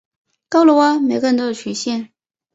够了喔，每个人都有极限